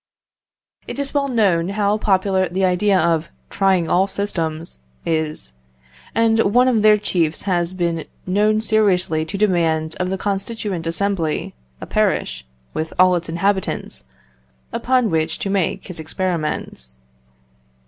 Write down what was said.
It is well known how popular the idea of trying all systems is, and one of their chiefs has been known seriously to demand of the Constituent Assembly a parish, with all its inhabitants, upon which to make his experiments.